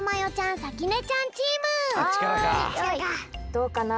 どうかな？